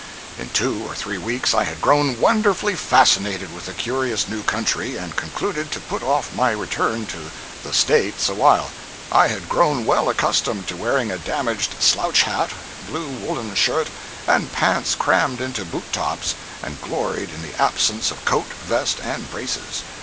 In two or three weeks I had grown wonderfully fascinated with the curious new country and concluded to put off my return to "the States" awhile. I had grown well accustomed to wearing a damaged slouch hat, blue woolen shirt, and pants crammed into boot tops, and gloried in the absence of coat, vest and braces.